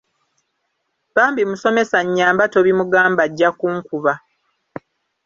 Bambi Musomesa nnyamba tobimugamba ajja kunkuba.